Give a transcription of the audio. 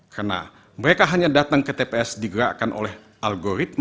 karena mereka hanya datang ke tps digerakkan oleh algoritma